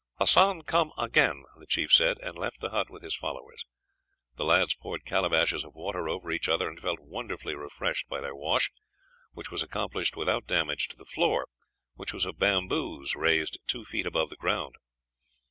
"Hassan come again," the chief said, and left the hut with his followers. The lads poured calabashes of water over each other, and felt wonderfully refreshed by their wash, which was accomplished without damage to the floor, which was of bamboos raised two feet above the ground.